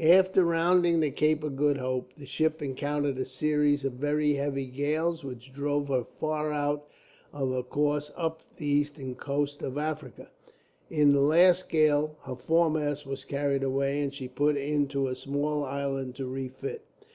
After rounding the Cape of Good Hope, the ship encountered a series of very heavy gales, which drove her far out of her course up the eastern coast of Africa. In the last gale her foremast was carried away, and she put in to a small island to refit.